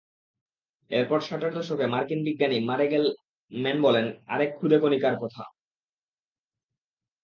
এরপর ষাটের দশকে মার্কিন বিজ্ঞানী মারে গেল-ম্যান বললেন আরেক খুদে কণিকার কথা।